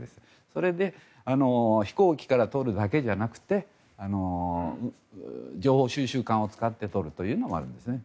それで飛行機から取るだけじゃなくて情報収集艦を使って取るというのもありますね。